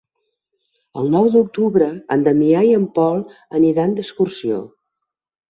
El nou d'octubre en Damià i en Pol aniran d'excursió.